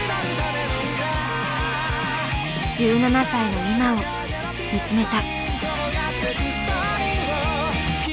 １７歳のいまを見つめた。